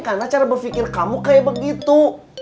karena cara berpikir kamu kayak begitu